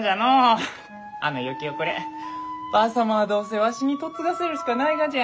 あの嫁き遅ればあ様はどうせわしに嫁がせるしかないがじゃ。